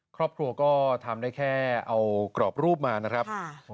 ครอบครัวก็ทำได้แค่เอากรอบรูปมานะครับ